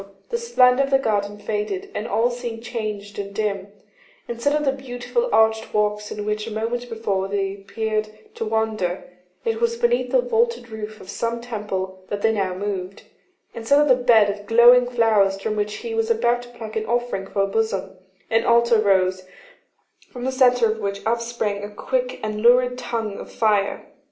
the splendour of the garden faded, and all seemed changed and dim; instead of the beautiful arched walks, in which a moment before they appeared to wander, it was beneath the vaulted roof of some temple that they now moved; instead of the bed of glowing flowers from which he was about to pluck an offering for her bosom, an altar rose, from the centre of which upsprang a quick and lurid tongue of fire.